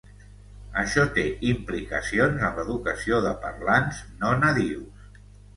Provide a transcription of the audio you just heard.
Això té implicacions en l'educació de parlants no nadius.